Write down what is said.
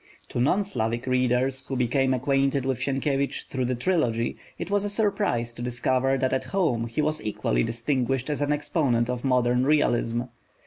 To non Slavonic readers, who became acquainted with Sienkiewicz through the Trilogy, it was a surprise to discover that at home he was equally distinguished as an exponent of modern realism.